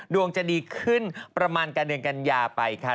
ดวงจะดีขึ้นประมาณการเดือนกันยาไปค่ะ